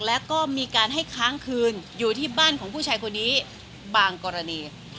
แล้วก็มีการให้ค้างคืนอยู่ที่บ้านของผู้ชายคนนี้บางกรณี